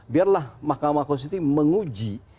biarlah mahkamah kusti menguji